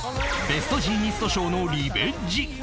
ベストジーニスト賞のリベンジ！